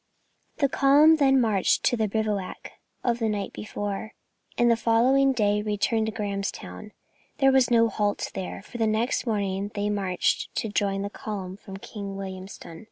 The column then marched back to their bivouac of the night before, and the following day returned to Grahamstown. There was no halt here, for the next morning they marched to join the column from King Williamstown.